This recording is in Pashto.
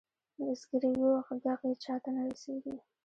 د زګیرویو ږغ یې چاته نه رسیږې